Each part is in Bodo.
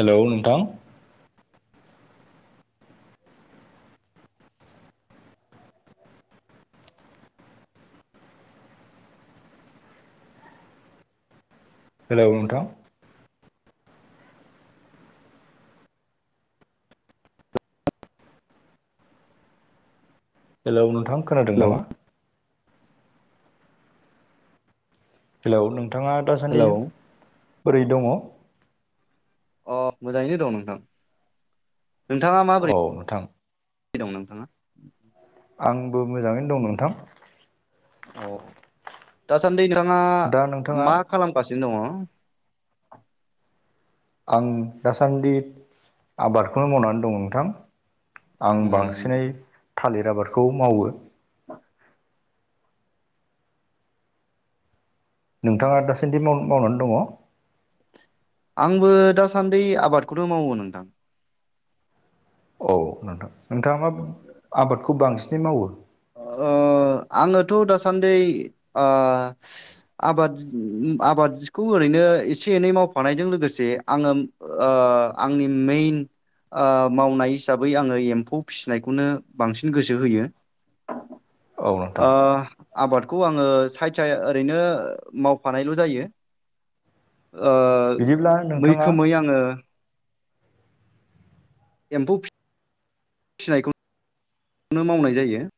हेल' नोंथां? हेलौ नोंथां हेलौ नोंथां खोनादों हेलौ नामा? हेलौ नोंथाङा दासान्दि हेलौ बोरै दङ? अ मोजाङैनो दं नोंथां। नोंथाङा माबोरै औ नोंथां दं नोंथाङा आंबो मोजाङैनो दं नोंथां। अ दासान्दि नोंथाङा दा नोंथाङा मा खालामगासिनो? नोदङ [unintelligible] आं दासान्दि आबादखौनो मावनानै दङ नोंथां आं उम बांसिनै थालिर आबादखौ मावो [inaudible] नोंथाङा दासान्दि माव मावनानै दङ आंबो दासान्दि आबादखौनो मावो नोंथां। औ नोंथां नोंथाङा मा आबादखौ बांसिनै मावो? ओ ओ आङोथ' दासान्दि ओ आबाद आबादखौ ओरै ओरैनो एसे एनै मावफानायजों लोगोसे आङो आंनि मेइन ओ मावनाय हिसाबै आङो एम्फौ फिसिनायखौनो बांसिन गोसो होयो औ नोंथां ओ। आबादखौ आङो सायथ साय ओरैनो मावफानायल' जायो ओ बिदिब्ला नोंथाङा मैखोमै आङो एम्फौ फि फिनायखौ नो मावनाय जायो [inaudible]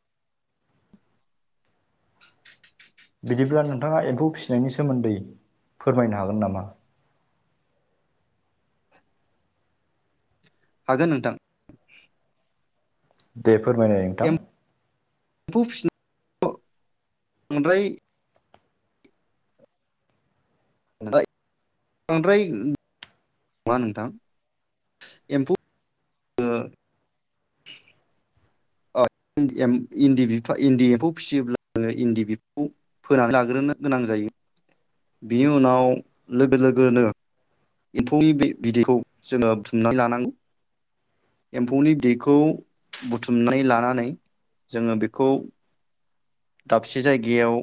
बिदिब्ला नोंथाङा एम्फौ फिसिनायनि सोमोन्दै फोरमायनो हागोन नामा हागोन नोंथां दे फोरमायनाय नोंथां एम्फौ [unintelligible] बांद्राय बाय बांद्राय नङा नोंथां एम्फौ ओ ओ इन्दिफ एम इन्दि एम्फौ फिसियोब्ला आोङो इन्दि बिफौ फोनानै लाग्रोन नो गोनां जायो बिनि उनाव लोगो लोगोनो एम्फौनि बिदैखौ जोङो बथुमनानै लानांगौ एम्फौनि दैखौ बुथुमनानै लानानै जोङो बेखौ दाबसे जायगायाव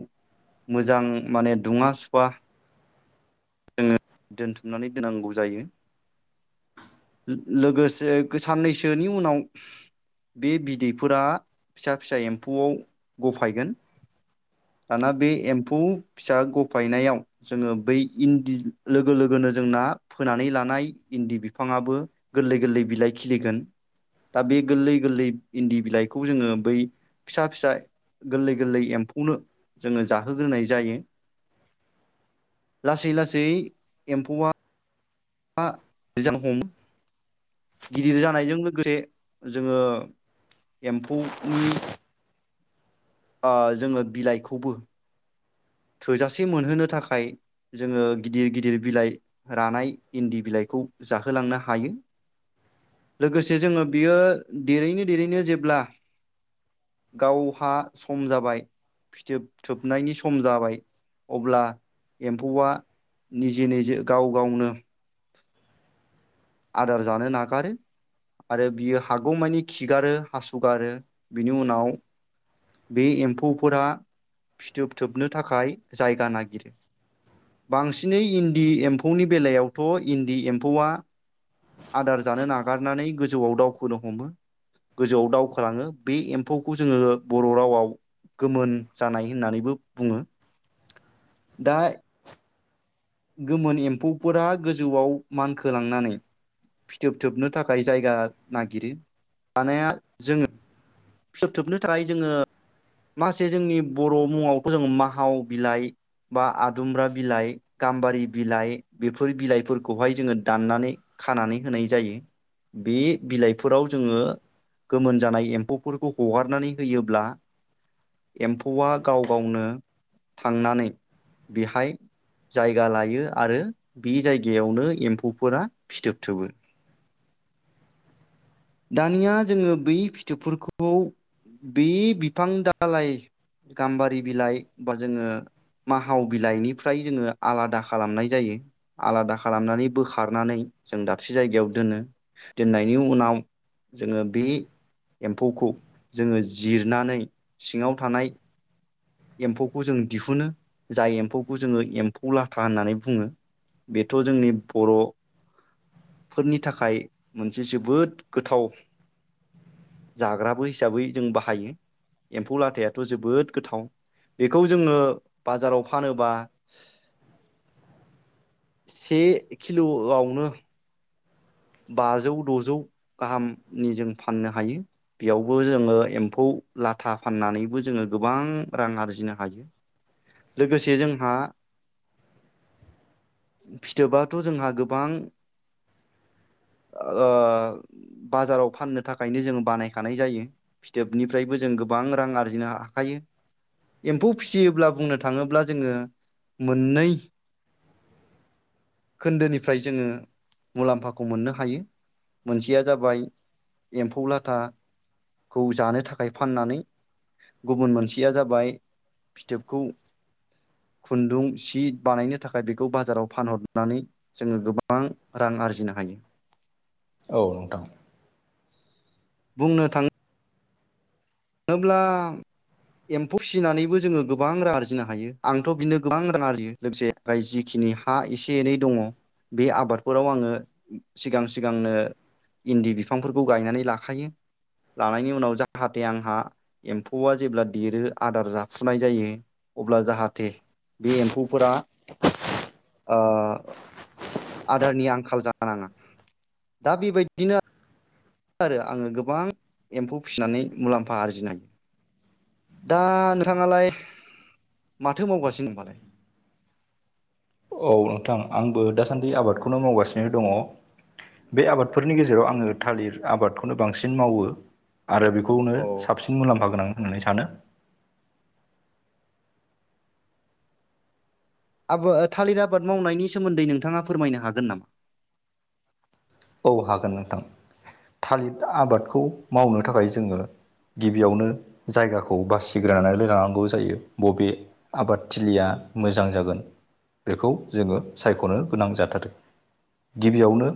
मोजां माने दुङा सुवा जोङो दोनथुमनानै दोनांगौ जायो। लोगोसे गोसाननैसोनि उनाव बे बिदैफोरा फिसा फिसा एम्फौआव गफायगोन दाना बे एम्फौ फिसा गफायनायाव जोङो बै इन्दि लोगो लोगोन जनो जोंना फोनानै लानाय इन्दि बिफाङाबो गोरलै गोरलै बिलाइ खिलिगोन दा बे गोरलै गोरलै इन्दि बिलाइखौ जोङो बै फिसा फिसा गोरलै गोरलै एम्फौनो जोङो जाहोग्रोनाय जायो लासै लासै एम्फौआ आ गोजां हमो गिदिर जानायजों लोगोसे जोङो एम्फौनि ओ जोङो बिलाइखौबो थोजासे मोनहोनो थाखाय जोङो गिदिर गिदिर बिलाइ रानाय इन्दि बिलाइ खौ जाहोलांनो हायो। लोगोसे जोङो बियो देरैनो देरैनो जेब्ला गावहा सम जाबाय फिथोब थोबनायनि सम खम जाबाय अब्ला एम्फौआ निजे निजे गाव गावनो [unintelligible] आदार जानो नागारो आरो बियो हागौमानि खिगारो हासुगारो बिनि उनाव बे एम्फौफोरा फिथोबथोबनो थाखाय जायगा नागिरो बांसिनै इन्दि एम्फौनि बेलायावथ' इन्दि एम्फौआ आदार जानो नागारनानै गोजौआव दावखोनो हमो गोजौआव दावखाोलाङो बे एम्फौखौ जोङो बर' रावाव गोमोन जानाय होननानैबो बुङो। दा गोमोन एम्फौफोरा गोजौआव मानखोलांनानै फिथोब थोबनो थाखाय जायगा नागिरो। माने जोङो फिथोब थोबनो थाखाय जोङो माखासे जोंनि बर' मुङावथ' जों माहाव बिलाइ बा आदुमब्रा बिलाइ गाम्बारि बिलाइ बेफोर बिलाइफोरखौहाय जोङो दाननानै खानानै होनाय जायो बे बिलाइफोराव जोङो गोमोन जानाय एम्फौ फोरखौ हगारनानै होयोब्ला एम्फौआ गाव गावनो थांनानै बेहाय जायगा लायो आरो बे जायगायावनो एम्फौफोरा फिथोबथोबो दानिया जोङो बै फिथोबफोरखौ बे बिफां दालइ गाम्बारि बिलाइ बा जोङो माहाव बिलाइनिफ्राय जोङो आलादा खालामनाय जायो आलादा खालामनानै बोखारनानै जों दाबसे जायगायाव दोनो दोननायनि उनाव जोङो बे एम्फौखौ जोङो जिरनानै सिङाव थानाय एम्फौखौ जों दिहुनो जाय एम्फौखौ जोङो एम्फौ लाथा होननानै बुङो बेथ' जोंनि बर'फोरनि थाखाय मोनसे जोबोद गोथाव जाग्राबो हिसाबै जों बाहायो एम्फौ लाथायाथ' जोबोद गोथाव बेखौ जोङो बाजाराव फानोबा से किल'आवनो बाजौ द'जौ गाहामनि जों फाननो हायो बेयावबो जोङो एम्फौ लाथा फाननानैबो जोङो गोबां रां आरजिनो हायो। लोगोसे जोंहा फिथोबाथ' जोंहा गोबां आ बाजाराव फाननो थाखायनो जोंङो बानायखानाय जायो फिथोबनिफ्रायबो जों गोबां रां आरजिनो हाखायो। [inaudible] एम्फौ फिसियोब्ला बुंनो थाङोब्ला जोङो मोननै खोन्दोनिफ्राय जोङो मुलाम्फाखौ मोननो हायो मोनसेया जाबाय एम्फौ लाथा खौ जानो थाखाय फाननानै गुबुन मोनसेया जाबाय फिथोबखौ खुन्दुं सि बानायनो थाखाय बेखौ बाजाराव फानहरनानै जोङो गोबां रां आरजिनो हायो। औ नोंथां। बुंनो थाङो होनोब्ला एम्फौ फिसिनानैबो जोङो गोबां रां आरजिनो हायो आंथ' बिनो गोबां रां आरजियो लोगोसे जिखि नि हा एसे एनै दङ बे आबादफोराव आङो सिगां सिगांनो इन्दि बिफांफोरखौ गायनानै लाखायो लानायनि उनाव जाहाथे आं हा एम्फौआ जेब्ला देरो आदार जाफुनाय जायो अब्ला जाहाथे बे एम्फौफोरा ओ आदारनि आंखाल जानाङा दा बेबायदिनो आरो आङो गोबां एम्फौ फिसिनानै मुलाम्फा आरजिनाय दा नोंथाङालाय माथो मावगासिनो होनबालाय? [inaudible] औ नोंथां आंबो दासान्दि आबादखौनो मावगासिनो दङ। बे आबादफोरनि गेजेराव आङो थालिर आबादखौनो बांसिन मावो आरो बेखौनो औ साबसिन मुलाम्फा गोनां होननानै सानो आबो थालिर आबाद मावनायनि सोमोन्दै नोंथाङा फोरमायनो हागोन नामा? औ हागोन नोंथां थालिर आबादखौ मावनो थाखाय जोङो गिबियावनो जायगा खौ बासिग्रोनानै लांनांगौ जायो बबे आबादथिलिया मोजां जागोन बेखौ जोङो सायख'नो गोनां जाथारो गिबियावनो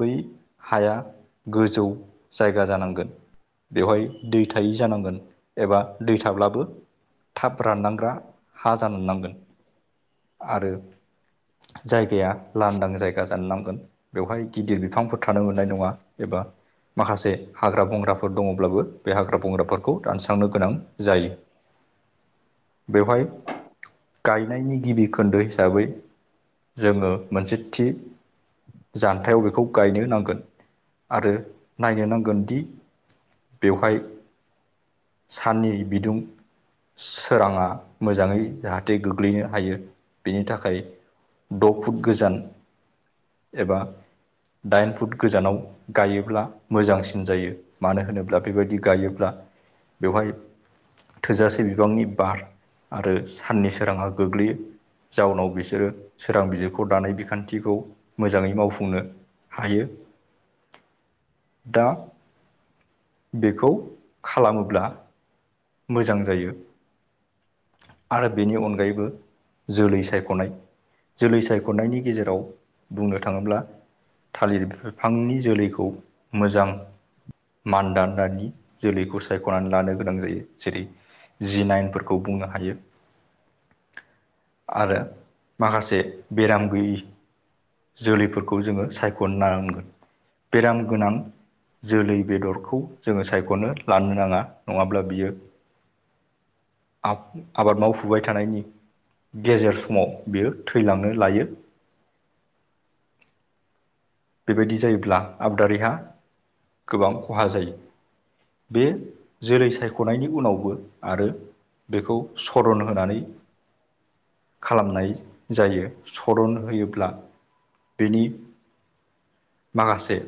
बै हाया गोजौ जायगा जानांगोन। बेवहाय दै थायै जानांगोन एबा दै थाब्लाबो थाब रानलांग्रा हा जानोनांगोन आरो जायगाया लांदां जायगा जानो नांगोन। बेवहाय गिदिर बिफांफोर थानो मोननाय नङा एबा माखासे हाग्रा बंग्राफोर दङब्लाबो बे हाग्रा बंग्राफोरखौ दानस्रांनो गोनां जायो [inaudible] बेवहाय गायनायनि गिबि खोन्दो हिसाबै जोङो मोनसे थि जान थायाव बेखौ गायनो नांगोन आरो नायनो नांगोनदि बेवहाय साननि बिदुं सोराङा मोजाङै जाहाथे गोग्लैनो हायो बेनि थाखाय द' फुट गोजान एबा दाइन फुट गोजानाव गायोब्ला मोजांसिन जायो मानो होनोब्ला बेबायदि गायो ब्ला बेवहाय थोजासे बिबांनि बार आरो साननि सोराङा गोग्लैयो जाउनाव बिसोरो सोरां बिजिरखौ दानाय बिखान्थिखौ मोजाङै मावफुंनो हायो दा बेखौ खालामोब्ला मोजां जायो आरो बेनि अनगायैबो जोलै सायख'नाय जोलै सायख'नायनि गेजेराव बुंनो थाङोब्ला थालिर बिफांनि जोलैखौ मोजां मान्दान दानि जोलैखौ सायख'नानै लानो गोनां जायो जेरै जि नाइनफोरखौ बुंनो हायो [inaudible] आरो माखासे बेराम गैयि जोलैफोरखौ जोङो सायख' नांगोन बेराम गोनां जोलै बेदरखौ जोङो सायख'नो लानो नाङा नङाब्ला बियो आब आबाद मावफुबाय थानायनि गेजेर समाव बियो थैलांनो लायो [inaudible] बेबायदि जायोब्ला आबादारिहा गोबां खहा जायो बे जोलै सायख'नायनि उनावबो आरो बेखौ सरन होनानै खालामनाय जायो सरन होयोब्ला बेनि माखासे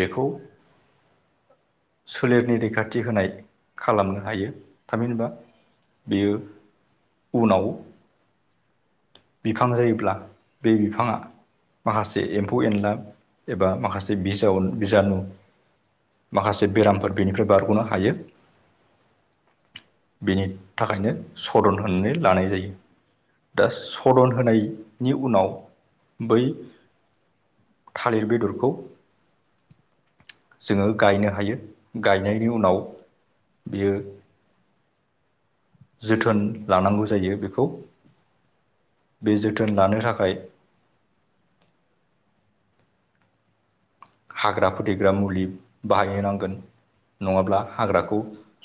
बेखौ सोलेरनि रैखाथि होनाय खालामनो हायो थामहिनबा बेयो उनाव बिफां जायोब्ला बे बिफाङा माखासे एम्फौ एनला एबा माखासे बिज बिजानु माखासे बेरामफोर बेनिफ्राय बारग'नो हायो। [inaudible] बेनि थाखायनो सदन होनानै लानाय जायो। दा सदन होनायनि उनाव बै बे बेदरखौ जोङो गायनो हायो गायनायनि उनाव बेयो जोथोन लानांगौ जायो बेखौ बे जोथोन लानो थाखाय [inaudible] हाग्रा फोथैग्रा मुलि बाहाय नांगोन नङाब्ला हाग्राखौ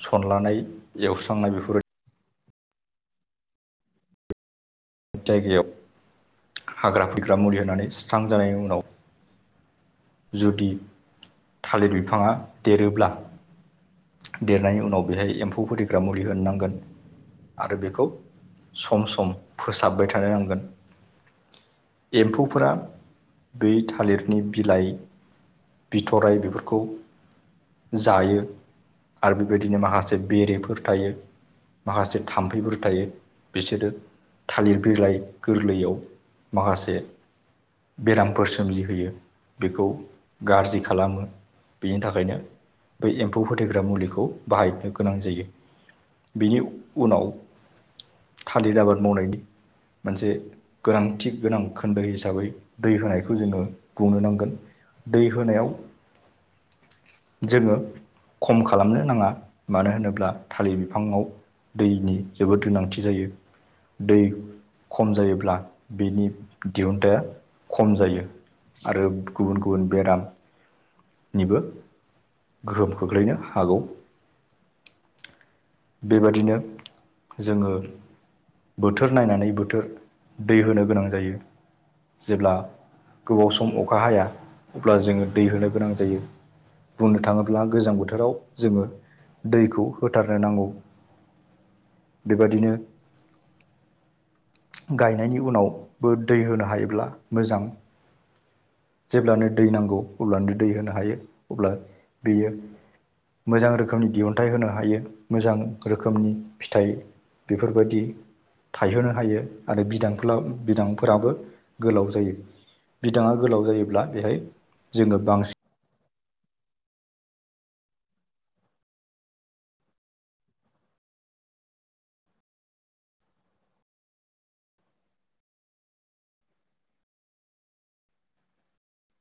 सनलानाय एवस्रांनाय बेफोरबायदि जायगायाव हाग्रा थैग्रा मुलि होनानै सुस्रांजानायनि उनाव जुदि थालिर बिफाङा देरोब्ला देरनायनि उनाव बेहाय एम्फौ फोथैग्रा मुलि होननांगोन आरो बेखौ सम सम फोसाबबाय थानो नांगोन। एम्फौफोरा बै थालिरनि बिलाइ बिथराय बेफोरखौ जायो आरो बेबायदिनो माखासे बेरिफोर थायो माखासे थाम्फैफोर थायो बिसोरो थालिर बिलाइ गोरलैयाव माखासे बेरामफोर सोमजिहोयो बेखौ गाज्रि खालामो बेनि थाखायनो बै एम्फौ फोथैग्रा मुलिखौ बाहायनो गोनां जायो। बेनि उनाव थालिर आबाद मावनायनि मोनसे गोनांथि गोनां खोन्दो हिसाबै दै होनायखौ जोङो बुंनो नांगोन। दै होनायाव जोङो। खम खालामनो नाङा मानो होनोब्ला थालिर बिफाङाव दैनि जोबोद गोनांथि जायो। दै खम जायोब्ला बिनि दिहुुनथाया खम जायो। आरो गुबुन गुबुन बेराम निबो गोहोम खोख्लैनो हागौ। बेबादिनो जोङो। बोथोर नायनानै बोथोर दै होनो गोनां जायो। जेब्ला गोबाव सम अखा हाया अब्ला जोङो दै होनो गोनां जायो। बुंनो थाङोब्ला गोजां बोथोराव जोङो दैखौ होथारनो नांगौ। बेबादिनो गायनायनि उनावबो दै होनो हायोब्ला मोजां। जेब्लानो दै नांगौ अब्लानो दै होनो हायो अब्ला बेयो मोजां रोखोमनि दिहुनथाइ होनो हायो मोजां रोखोमनि फिथाइ बेफोरबायदि थायहोनो हायो। आरो बिदां बिदांफोराबो गोलाव जायो। बिदाङा गोलाव जायोब्ला बेहाय जोङो बांसिन